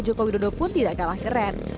jokowi dodo pun tidak kalah keren